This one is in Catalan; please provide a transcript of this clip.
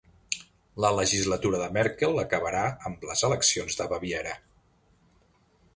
La legislatura de Merkel acabarà amb les eleccions de Baviera